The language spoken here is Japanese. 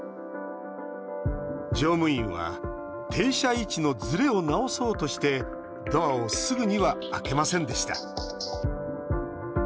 乗務員は停車位置のずれを直そうとしてドアをすぐには開けませんでした。